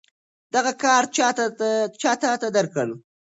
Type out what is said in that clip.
دغه کارت چا تاته درکړ؟